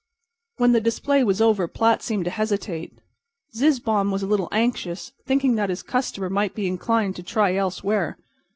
When the display was over Platt seemed to hesitate. Zizzbaum was a little anxious, thinking that his customer might be inclined to try elsewhere.